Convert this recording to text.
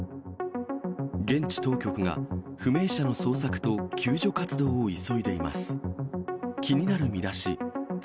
現地当局が、不明者の捜索と救助活動を急いでいます。